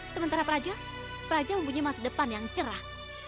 sementara praja praja mempunyai masa depan yang cerah